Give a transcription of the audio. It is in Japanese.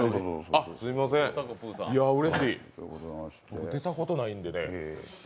うれしい、出たことないんでね。